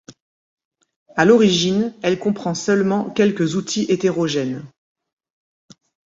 À l'origine, elle comprend seulement quelques outils hétérogènes.